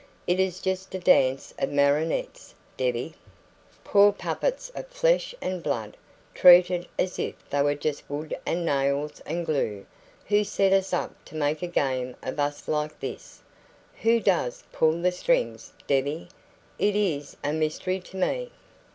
It is just a dance of marionettes, Debbie. Poor puppets of flesh and blood, treated as if they were just wood and nails and glue! Who set us up to make a game of us like this? Who DOES pull the strings, Debbie? It is a mystery to me."